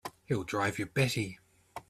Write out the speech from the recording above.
He'll drive you batty!